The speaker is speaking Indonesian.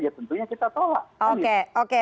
ya tentunya kita tolak oke oke